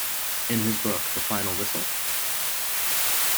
In his book, The Final Whistle?